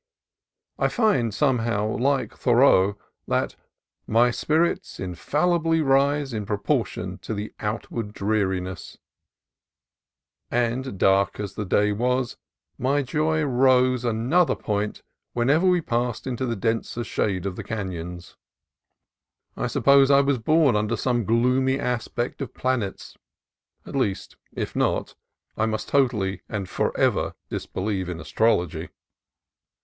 I find, somehow, like Thoreau, that "my spirits infallibly rise in proportion to the outward dreariness"; and, dark as the day was, my joy rose another point whenever we passed into the denser shade of the canons. I suppose I was born under some gloomy aspect of planets : at least, if not, I must totally and forever disbelieve in astrology.